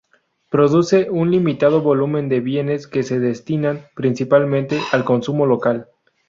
Produce un limitado volumen de bienes que se destinan principalmente al consumo local.